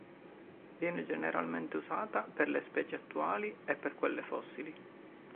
Viene generalmente usata per le specie attuali e per quelle fossili.